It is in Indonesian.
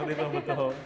sekilas seperti itu betul